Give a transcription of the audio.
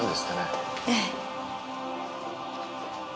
ええ。